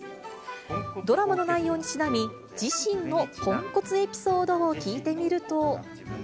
ドラマの内容にちなみ、自身のポンコツエピソードを聞いてみると。